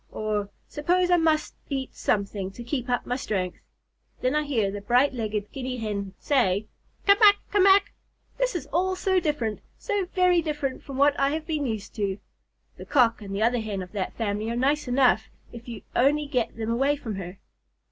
or, 'Suppose I must eat something to keep up my strength.' Then I hear the bright legged Guinea Hen say, 'Ca mac! Ca mac! This is all so different, so very different from what I have been used to.' The Cock and the other Hen of that family are nice enough if you only get them away from her."